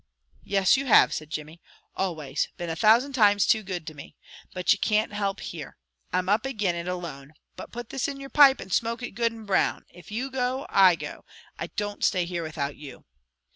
"Yes, you have," said Jimmy. "Always, been a thousand times too good to me. But you can't help here. I'm up agin it alone, but put this in your pipe, and smoke it good and brown, if you go, I go. I don't stay here without you."